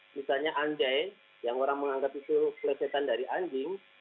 misalnya anjay yang orang menganggap itu kelesetan dari anjing